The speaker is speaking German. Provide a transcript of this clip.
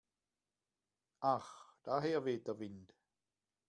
Ach daher weht der Wind.